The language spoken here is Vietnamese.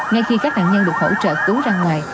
ngay khi các nạn nhân được hỗ trợ cứu ra ngoài